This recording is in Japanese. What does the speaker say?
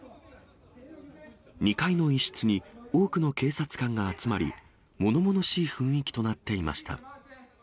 ２階の一室に、多くの警察官が集まり、ものものしい雰囲気となっていました。